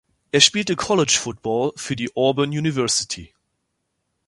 Er spielte College Football für die Auburn University.